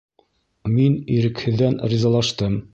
Мин ирекһеҙҙән ризалаштым.